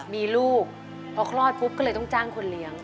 มีลูกพอคลอดปุ๊บก็เลยต้องจ้างคนเลี้ยง